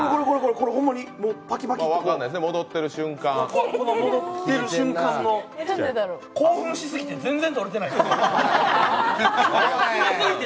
これ、ほんまにバキバキって戻ってる瞬間の興奮しすぎて全然撮れてない、すごすぎて。